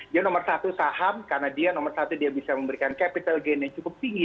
dia nomor satu saham karena dia nomor satu dia bisa memberikan capital gain yang cukup tinggi